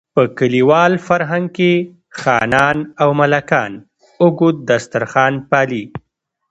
په کلیوال فرهنګ کې خانان او ملکان اوږد دسترخوان پالي.